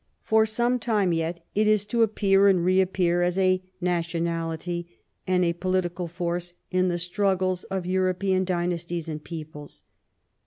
For some time yet it is to appear and reappear as a nationality and a political force in the struggles of European dynasties and peoples.